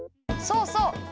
そうそう。